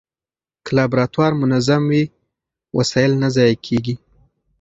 که لابراتوار منظم وي، وسایل نه ضایع کېږي.